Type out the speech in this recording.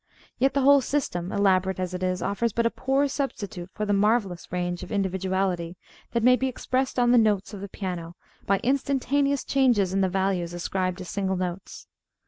Yet the whole system, elaborate as it is, offers but a poor substitute for the marvellous range of individuality that may be expressed on the notes of the piano by instantaneous changes in the values ascribed to single notes.